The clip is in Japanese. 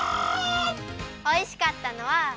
おいしかったのは。